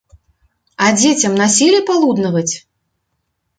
А дзецям насілі палуднаваць?